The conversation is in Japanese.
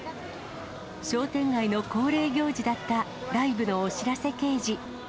商店街の恒例行事だったライブのお知らせ掲示。